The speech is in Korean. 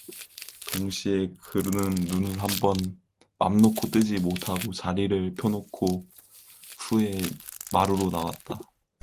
동시에 그는 눈 한번 맘놓고 뜨지 못하고 자리를 펴놓은 후에 마루로 나왔다.